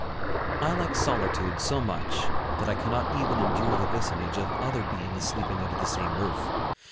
I like solitude so much that I cannot even endure the vicinage of other beings sleeping under the same roof.